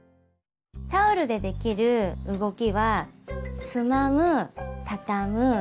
タオルでできる動きは「つまむ」「たたむ」